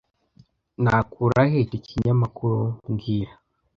Nakura he icyo kinyamakuru mbwira